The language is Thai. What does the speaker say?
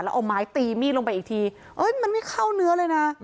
แล้วเอาไม้ตีมีดลงไปอีกทีเอ้ยมันไม่เข้าเนื้อเลยนะ